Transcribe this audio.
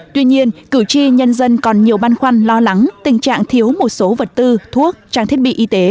tuy nhiên cử tri nhân dân còn nhiều băn khoăn lo lắng tình trạng thiếu một số vật tư thuốc trang thiết bị y tế